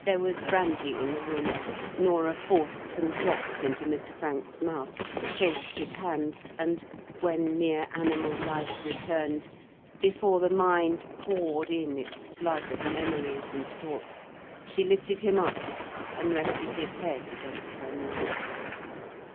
There was brandy in the room. Norah forced some drops into Mr. Frank's mouth, chafed his hands, and—when mere animal life returned, before the mind poured in its flood of memories and thoughts—she lifted him up, and rested his head against her knees.